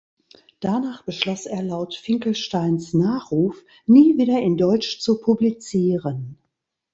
Danach beschloss er laut Finkelsteins Nachruf, nie wieder in Deutsch zu publizieren.